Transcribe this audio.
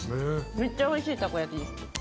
めっちゃおいしいタコ焼きです。